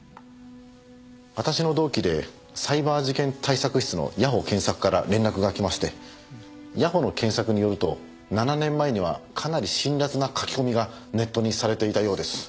私の同期でサイバー事件対策室の谷保健作から連絡が来まして谷保の検索によると７年前にはかなり辛辣な書き込みがネットにされていたようです。